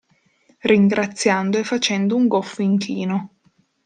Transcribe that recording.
Ringraziando e facendo un goffo inchino.